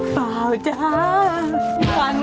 เปล่าจ้า